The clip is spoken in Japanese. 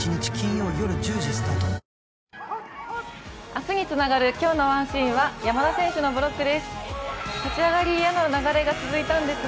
明日につながる今日のワンシーンは山田選手のブロックです。